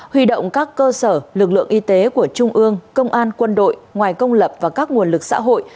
huy động các cơ sở lực lượng y tế của trung ương công an quân đội ngoài công lập và các nguồn lực xã hội